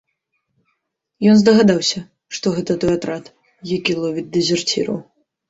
Ён здагадаўся, што гэта той атрад, які ловіць дэзерціраў.